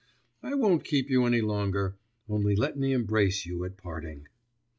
I won't keep you any longer, only let me embrace you at parting.